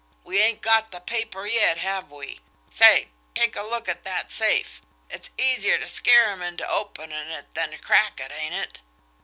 We ain't got the paper yet, have we? Say, take a look at that safe! It's easier ter scare him inter openin' it than ter crack it, ain't it?"